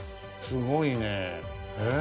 すごいねえ。